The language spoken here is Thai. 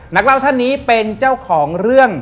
นักเล่าท่านนี้เป็นเจ้าของเรื่อง